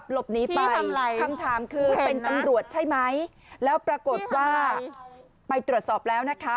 ป้าคำถามคือเป็นตำรวจใช่ไหมแล้วปรากฏว่าไปตรวจสอบแล้วนะคะ